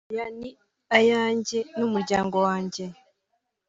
hoya… ni iyanjye n’umuryango wanjye